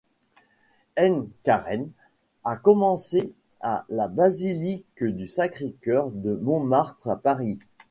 Aïn Karem a commencé à la basilique du Sacré-Cœur de Montmartre à Paris.